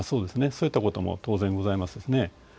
そういったことも当然ございます。